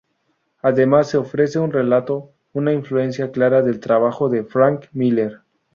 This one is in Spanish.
Además, se ofrece un relato, una influencia clara del trabajo de Frank Miller.